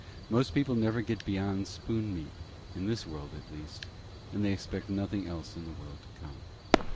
Most people never get beyond spoon meat in this world, at least, and they expect nothing else in the world to come.